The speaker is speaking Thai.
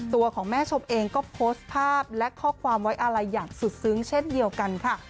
ตัวของแม่ชมเองก็โพสต์ภาพและข้อความไว้อะไรอย่างสุดซึ้งเช่นเดียวกันค่ะ